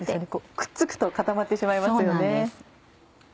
くっつくと固まってしまいますよね。